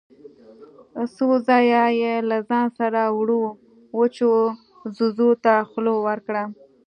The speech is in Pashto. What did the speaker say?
څو ځايه يې له ځان سره وړو وچو ځوځو ته خوله ورکړه.